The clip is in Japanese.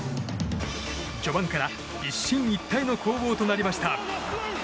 序盤から一進一退の攻防となりました。